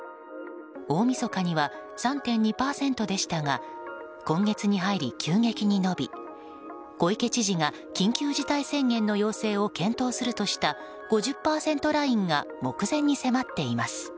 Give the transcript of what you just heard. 大みそかには３．２％でしたが今月に入り急激に伸び小池知事が緊急事態宣言の要請を検討するとした５０％ラインが目前に迫っています。